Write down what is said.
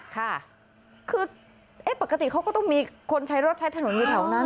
ค่ะคือปกติเขาก็ต้องมีคนใช้รถใช้ถนนอยู่แถวนั้น